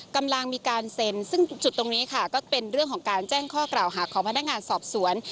กำลังมีการเซ็นซึ่งจุดตรงนี้ค่ะก็เป็นเรื่องของการแจ้งข้อกล่าวหาของพนักงานสอบสวน